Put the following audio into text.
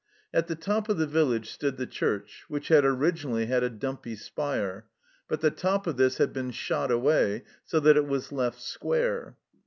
At the top of the village stood the church, which had originally had a dumpy spire ; but the top of this had been shot away, so that it was left square.